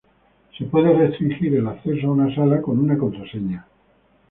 Se puede restringir el acceso a una sala con una contraseña.